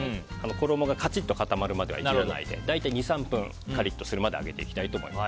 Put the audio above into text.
衣がカチッと固まるまではいじらないで大体２３分カリッとするまで揚げていきたいと思います。